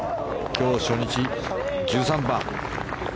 今日、初日１３番。